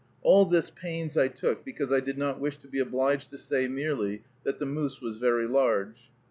All this pains I took because I did not wish to be obliged to say merely that the moose was very large.